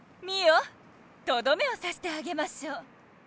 ミオとどめをさしてあげましょう。